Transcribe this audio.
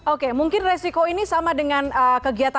oke mungkin resiko ini sama dengan kegiatan